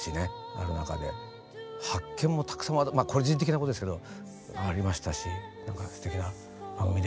ある中で発見もたくさん個人的なことですけどありましたしなんかすてきな番組で。